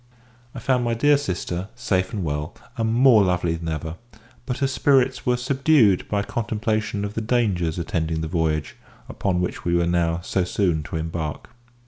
I found my dear sister safe and well, and more lovely than ever; but her spirits were subdued by contemplation of the dangers attending the voyage upon which we were now so soon to embark.